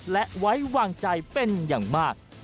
และไว้วางใจเป็นอย่างมาก